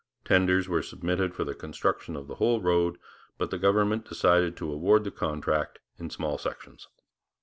Tenders were submitted for the construction of the whole road, but the government decided to award the contract in small sections.